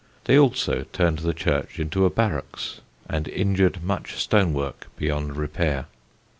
They also turned the church into a barracks, and injured much stone work beyond repair.